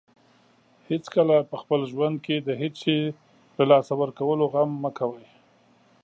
هیڅکله په خپل ژوند کې د هیڅ شی له لاسه ورکولو غم مه کوئ.